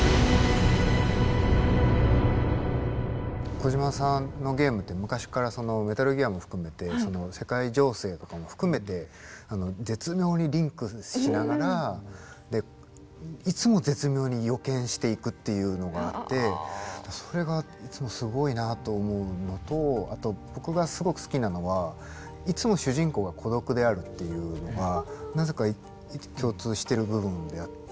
小島さんのゲームって昔から「メタルギア」も含めて世界情勢とかも含めて絶妙にリンクしながらいつも絶妙に予見していくっていうのがあってそれがいつもすごいなと思うのとあと僕がすごく好きなのはいつも主人公が孤独であるっていうのがなぜか共通してる部分であって。